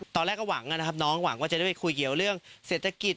ตอนแรกก็หวังนะครับน้องหวังว่าจะได้ไปคุยเกี่ยวเรื่องเศรษฐกิจ